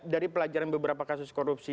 dari pelajaran beberapa kasus korupsi